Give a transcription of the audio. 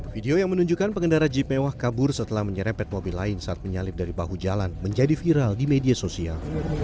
video yang menunjukkan pengendara jeep mewah kabur setelah menyerepet mobil lain saat menyalip dari bahu jalan menjadi viral di media sosial